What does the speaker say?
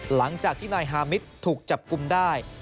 หลังจากที่นายฮามิตถูกจับกลุ่มได้